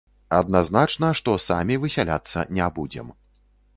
Адназначна, што самі высяляцца не будзем.